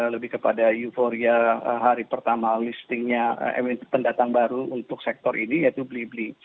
lebih kepada euphoria hari pertama listingnya emiten pendatang baru untuk sektor ini yaitu blibi